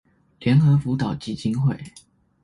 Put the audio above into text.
聯合輔導基金會